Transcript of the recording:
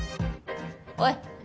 おい。